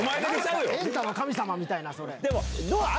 『エンタの神様』みたいな。